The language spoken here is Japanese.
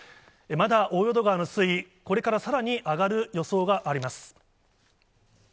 まだ大淀川の水位、これからさらに上がる予想があります。